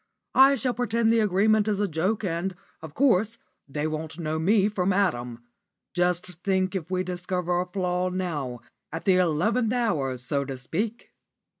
I shall pretend the agreement is a joke, and, of course, they won't know me from Adam. Just think if they discovered a flaw, now, at the eleventh hour, so to speak!"